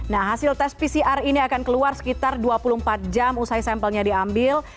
nah hasil tes pcr ini akan keluar sekitar dua puluh empat jam usai sampelnya diambil